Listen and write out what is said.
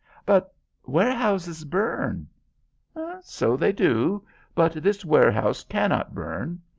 "But warehouses burn." "So they do, but this warehouse cannot burn.